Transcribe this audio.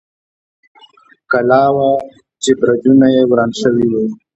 کلا وه، چې برجونه یې وران شوي و.